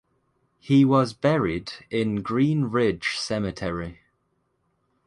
He was buried in Greenridge Cemetery.